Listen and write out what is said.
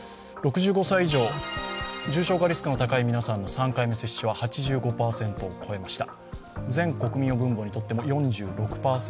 ６５歳以上、重症化リスクの高い皆さんの３回目接種は８５％を超えました。